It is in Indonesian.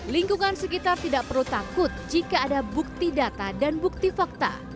lingkungan sekitar tidak perlu takut jika ada bukti data dan bukti fakta